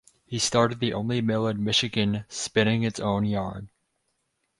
He started the only mill in Michigan spinning its own yarn.